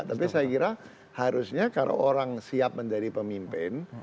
tapi saya kira harusnya kalau orang siap menjadi pemimpin